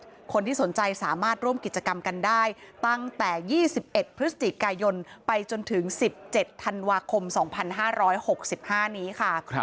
คนที่สนใจสามารถร่วมกิจกรรมกันได้ตั้งแต่๒๑พฤศจิกายนไปจนถึง๑๗ธันวาคม๒๕๖๕นี้ค่ะ